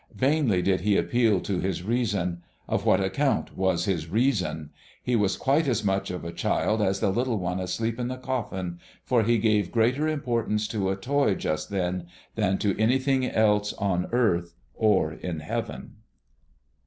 Vainly did he appeal to his reason; of what account was his reason? He was quite as much of a child as the little one asleep in the coffin, for he gave greater importance to a toy just then than to anything else on earth or in heaven.